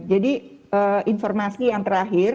jadi informasi yang terakhir